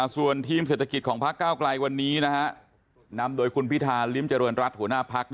ส่วนทีมเศรษฐกิจของพระก้าวกลายวันนี้นำโดยคุณพิธาริมจรวรรณรัฐหัวหน้าพรรค